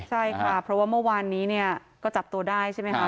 ใช่ค่ะเพราะว่าเมื่อวานนี้เนี่ยก็จับตัวได้ใช่ไหมคะ